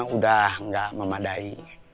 udah gak memadai